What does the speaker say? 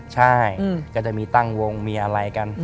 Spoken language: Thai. ใช่ก็จะมีตั้งวงมีอะไรกัน